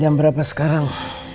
jam berapa sekarang